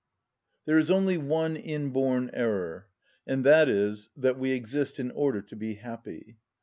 There is only one inborn error, and that is, that we exist in order to be happy.